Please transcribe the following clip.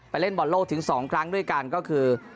เล่นบอลโลกถึง๒ครั้งด้วยกันก็คือ